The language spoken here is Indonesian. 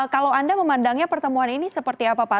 kalau anda memandangnya pertemuan ini seperti apa pak